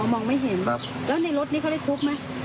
มองไม่เห็นแล้วในรถนี้เขาได้ทุบไหม